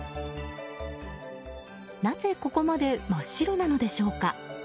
なぜここまで真っ白なのでしょうか。